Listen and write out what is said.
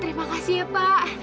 terima kasih ya pak